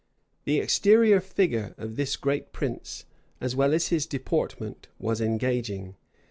The exterior figure of this great prince, as well as his deportment, was engaging.